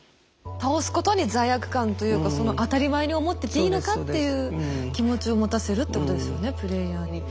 倒すことに罪悪感というかその当たり前に思ってていいのかっていう気持ちを持たせるってことですよねプレイヤーに。